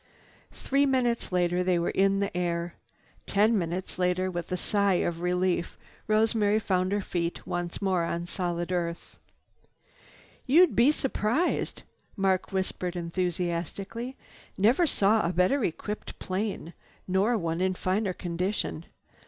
Three minutes later they were in the air. Ten minutes later, with a sigh of relief Rosemary found her feet once more on the solid earth. "You'd be surprised!" Mark whispered enthusiastically. "Never saw a better equipped plane, nor one in finer condition.